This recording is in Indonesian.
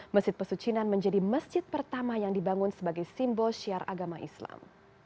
masjid pesucinan menjadi masjid pertama yang dibangun sebagai simbol syiar agama islam